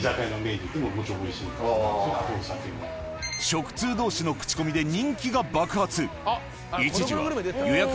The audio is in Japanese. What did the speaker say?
食通同士の口コミで人気が爆発一時は予約